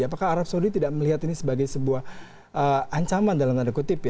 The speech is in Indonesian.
apakah arab saudi tidak melihat ini sebagai sebuah ancaman dalam tanda kutip ya